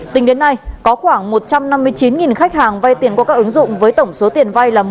tính đến nay có khoảng một trăm năm mươi chín khách hàng vai tiền qua các ứng dụng với tổng số tiền vai là một tám trăm linh hai một tỷ đồng